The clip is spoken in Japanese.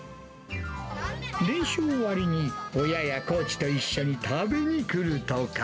練習終わりに、親やコーチと一緒に食べに来るとか。